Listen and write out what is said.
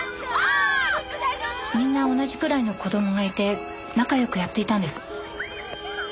みんな同じくらいの子供がいて仲良くやっていたんです。